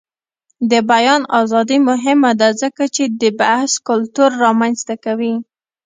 د بیان ازادي مهمه ده ځکه چې د بحث کلتور رامنځته کوي.